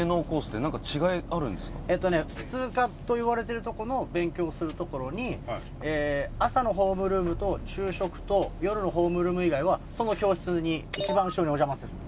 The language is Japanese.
普通科といわれてるとこの勉強する所に朝のホームルームと昼食と夜のホームルーム以外はその教室に一番後ろにお邪魔するの。